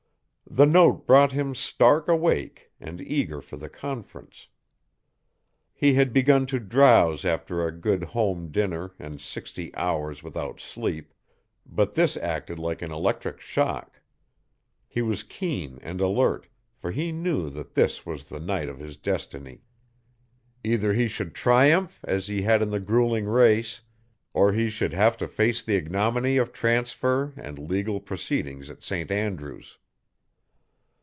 The note brought him stark awake and eager for the conference. He had begun to drowse after a good home dinner and sixty hours without sleep, but this acted like an electric shock. He was keen and alert, for he knew that this was the night of his destiny. Either he should triumph as he had in the grueling race, or he should have to face the ignominy of transfer and legal proceedings at St. Andrew's.